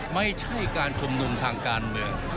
ไม่ใช่การชุมนุมทางการเมือง